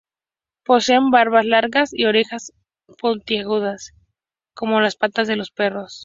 Poseen barbas largas y orejas puntiagudas como las de los perros.